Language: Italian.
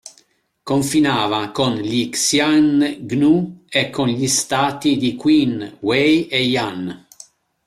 Confinava con gli Xiongnu e con gli Stati di Qin, Wei e Yan.